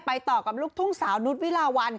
ต่อกับลูกทุ่งสาวนุษย์วิลาวัน